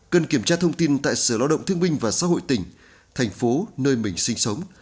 cần kiểm tra thông tin tại sở lao động thương minh và xã hội tỉnh thành phố nơi mình sinh sống